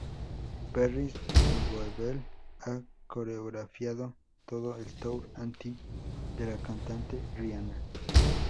Parris Goebel ha coreografiado todo el Tour Anti de la cantante Rihanna.